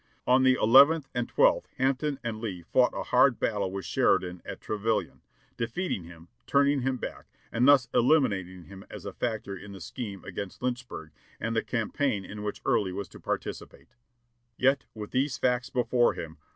On the nth and 12th Hampton and Lee fought a hard battle with Sheridan at Trevillian, defeating him, turning him back, and thus eliminating him as a factor in the scheme against Lynchburg and the campaign in which Early was to participate. Yet with these facts before him.